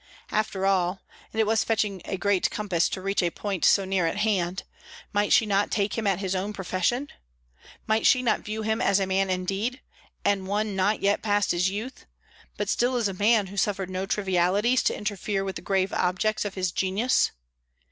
After all and it was fetching a great compass to reach a point so near at hand might she not take him at his own profession? Might she not view him as a man indeed, and one not yet past his youth, but still as a man who suffered no trivialities to interfere with the grave objects of his genius?